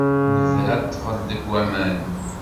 Nebra i ṭṭbel deg waman.